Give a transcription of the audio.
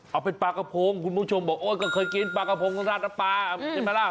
เอาเป็นปลากระโพงคุณผู้ชมบอกก็เคยกินปลากระโพงทอดราดน้ำปลา